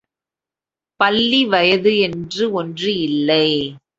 பள்ளி வயது என்று ஒன்று இல்லை.